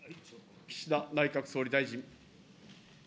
岸田内閣総理大臣。